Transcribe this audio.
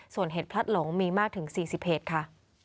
ส่วนเหตุพลัดหลงมีมากถึง๔๐เหตุค่ะ